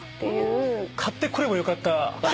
買ってくればよかった。